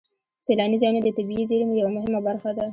سیلاني ځایونه د طبیعي زیرمو یوه مهمه برخه ده.